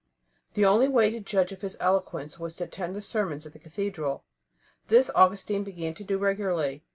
The only way to judge of his eloquence was to attend the sermons at the cathedral. This Augustine began to do regularly.